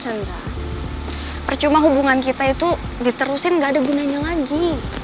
cuma percuma hubungan kita itu diterusin nggak ada gunanya lagi